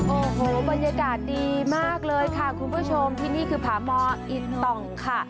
โอ้โหบรรยากาศดีมากเลยค่ะคุณผู้ชมที่นี่คือผามอิตต่องค่ะ